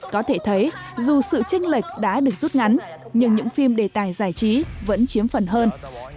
có thể thấy dù sự tranh lệch đã được rút ngắn nhưng những phim đề tài giải trí vẫn chiếm phần hơn